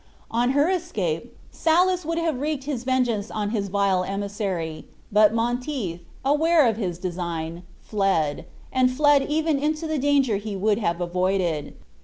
On her escape, Soulis would have wreaked his vengeance on his vile emissary; but Monteith, aware of his design, fled, and fled even into the danger he would have avoided.